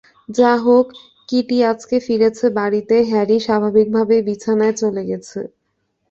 যাহোক, কিটি আজকে ফিরেছে বাড়িতে, হ্যারি স্বাভাবিকভাবেই বিছানায় চলে গেছে।